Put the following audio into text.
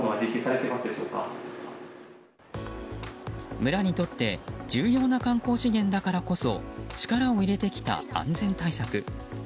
村にとって重要な観光資源だからこそ力を入れてきた安全対策。